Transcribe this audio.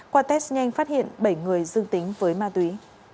qua test nhanh phát hiện bảy người dương tính với ma túy